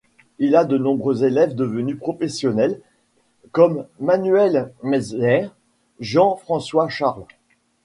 Il a de nombreux élèves devenus professionnels comme Manuel Metzger, Jean-Francois Charles...